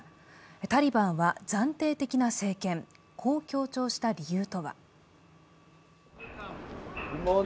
タリバンは暫定的な政権、こう強調した理由とは。